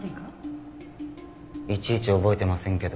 いちいち覚えてませんけど。